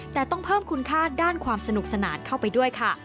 แต่ต้องเพิ่มคุณค่าด้านความสนุกสนานเข้าไปด้วยค่ะ